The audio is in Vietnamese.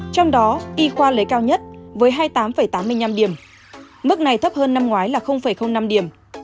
trong đó y khoa lấy cao nhất với hai mươi tám tám mươi năm điểm mức này thấp hơn năm ngoái là năm điểm